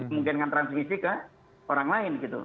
mungkin akan transmisi ke orang lain gitu